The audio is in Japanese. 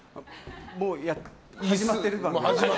もう始まってる感じ？